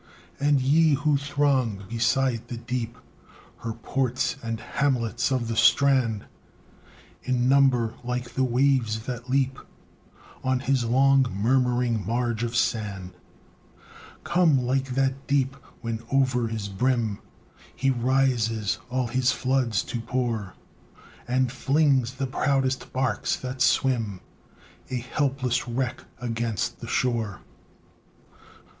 And ye, who throng, beside the deep, Her ports and hamlets of the strand, In number like the waves that leap On his long murmuring marge of sand Come like that deep, when, o'er his brim He rises, all his floods to pour, And flings the proudest barks that swim, A helpless wreck, against the shore!